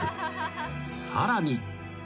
［さらに］